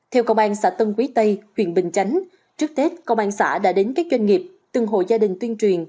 theo công an xã tân quý tây huyện bình chánh trước tết công an xã đã đến các doanh nghiệp từng hội gia đình tuyên truyền